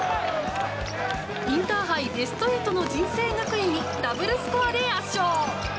インターハイベスト８の尽誠学園にダブルスコアで圧勝。